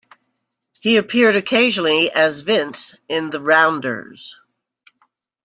He appeared occasionally as "Vince" in "The Rounders".